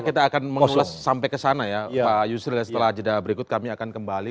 kita akan menulis sampai kesana ya pak yusri setelah jeda berikut kami akan kembali